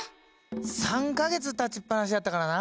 ３か月立ちっぱなしやったからな。